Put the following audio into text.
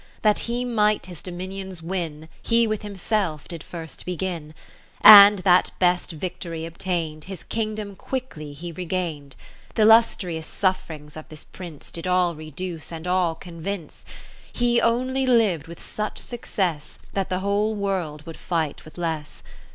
That he might his dominions win, He with himself did first begin ; And, that best victory obtained, His kingdom quickly he regain'd. Th' illustrioussuffringsofthis Prince Did all reduce, and all convince. A rtofi on a Dolphi. in He only liv'd with such success, That the whole world would fight with less.